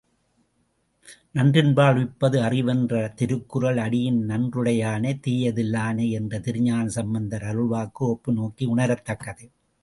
நன்றின்பால் உய்ப்பது அறிவு என்ற திருக்குறள் அடியின் நன்றுடையானை தீயதிலானை என்ற திருஞான சம்பந்தர் அருள்வாக்கு ஒப்புநோக்கி உணரத்தக்கது.